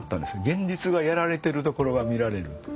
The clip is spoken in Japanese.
現実がやられてるところが見られる。